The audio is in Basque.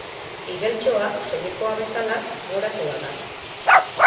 Igeltxoa, soinekoa bezala, moratua da.